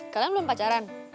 kalian belum pacaran